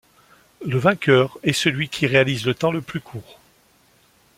Le vainqueur est celui qui réalise le temps le plus court.